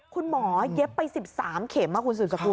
คุณหมอยเย็บไป๑๓เข็มคุณสุดก็คุณ